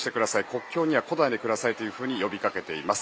国境には来ないでくださいというふうに呼びかけています。